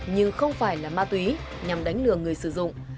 nhưng không phải là ma túy nhằm đánh lừa người sử dụng